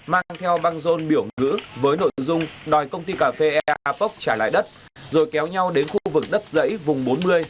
mang theo băng rôn biểu ngữ với nội dung đòi công ty cà phê eapoc trả lại đất rồi kéo nhau đến khu vực đất dãy vùng bốn mươi